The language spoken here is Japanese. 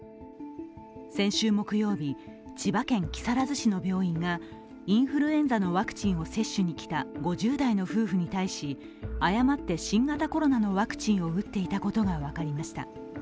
先週木曜日千葉県木更津市の病院がインフルエンザのワクチンを接種に来た５０代の夫婦に対し、誤って新型コロナのワクチンを打っていたことが分かりました。